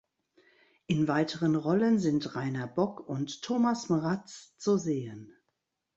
In weiteren Rollen sind Rainer Bock und Thomas Mraz zu sehen.